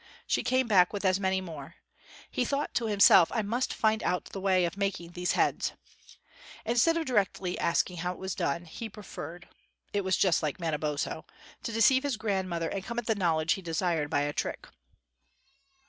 She came back with as many more. He thought to himself, "I must find out the way of making these heads." Instead of directly asking how it was done, he preferred it was just like Manabozho to deceive his grandmother and come at the knowledge he desired by a trick.